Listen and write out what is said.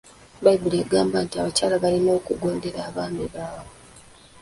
Bayibuli egamba nti abakyala balina okugondera abaami baabwe.